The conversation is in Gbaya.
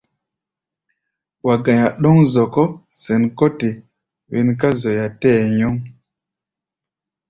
Wa ga̧i̧á̧ ɗɔ̌ŋ-zɔkɔ́ sɛn kɔ́ te wen ká zoya tɛɛ́ nyɔŋ.